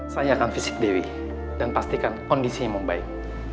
saya akan fisik dewi dan pastikan kondisinya membaik